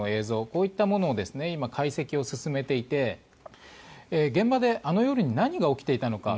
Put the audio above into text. こういったものを今、解析を進めていて現場であの夜に何が起きていたのか。